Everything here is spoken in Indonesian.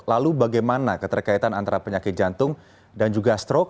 lalu bagaimana keterkaitan antara penyakit jantung dan juga stroke